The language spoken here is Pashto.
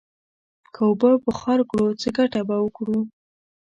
که اوبه بخار کړو، څه گټه به وکړو؟